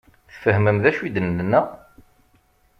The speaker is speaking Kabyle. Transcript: Tfehmem d acu i d-nenna?